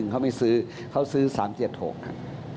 ๕๐๑เขาไม่ซื้อเขาซื้อ๓๗๖นะ